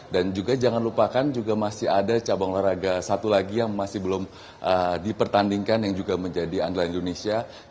dan juga jangan lupakan juga masih ada cabang olahraga satu lagi yang masih belum dipertandingkan yang juga menjadi andalan indonesia